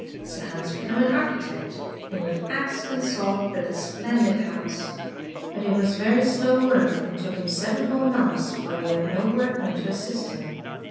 So Hans became an architect, and with axe and saw built a splendid house. But it was very slow work and took him seven whole months, for he had no workmen to 154 Tales of Modern Germany assist him.